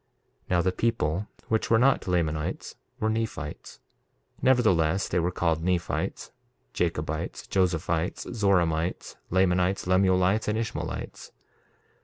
1:13 Now the people which were not Lamanites were Nephites; nevertheless, they were called Nephites, Jacobites, Josephites, Zoramites, Lamanites, Lemuelites, and Ishmaelites.